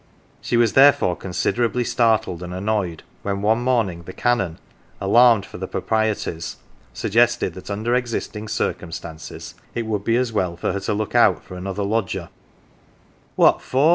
She was therefore considerably startled and annoyed when one morning the Canon, alarmed for the proprieties, suggested that under existing circumstances it would be as well for her to look out for another lodger. " What for